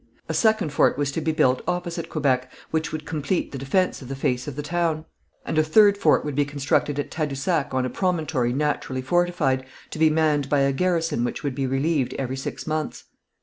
A second fort was to be built opposite Quebec, which would complete the defense of the face of the town, and a third fort would be constructed at Tadousac on a promontory naturally fortified, to be manned by a garrison which would be relieved every six months.